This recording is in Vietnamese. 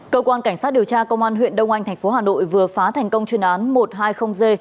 cơ quan cảnh sát điều tra công an huyện đông anh tp hà nội vừa phá thành công chuyên án một trăm hai mươi g